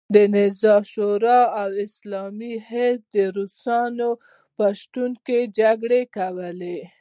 د نظار شورا او اسلامي حزب د روسانو په شتون کې جګړې کولې.